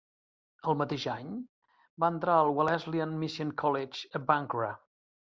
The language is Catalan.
El mateix any va entrar al Welleslyan Mission College a Bankura.